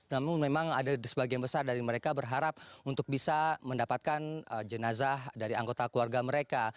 namun memang ada sebagian besar dari mereka berharap untuk bisa mendapatkan jenazah dari anggota keluarga mereka